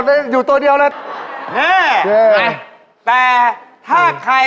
อะนุ้งผทุ๋ง